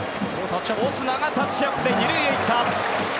オスナがタッチアップで２塁へ行った。